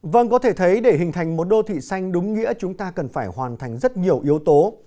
vâng có thể thấy để hình thành một đô thị xanh đúng nghĩa chúng ta cần phải hoàn thành rất nhiều yếu tố